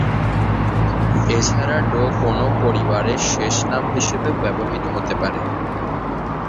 এছাড়া ডো কোন পরিবারের শেষ নাম হিসেবেও ব্যবহৃত হতে পারে।